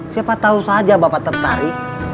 siapa tahu saja bapak tertarik